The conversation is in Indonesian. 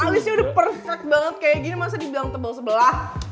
alisnya udah perfect banget kayak gini masa dibilang tebal sebelah